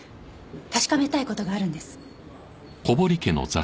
確かめたい事があるんです。